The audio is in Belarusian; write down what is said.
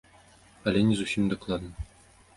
Але не зусім дакладна.